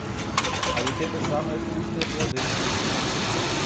А ведь это самые вкусные плоды.